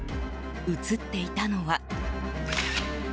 写っていたのは。